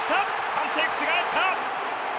判定覆った。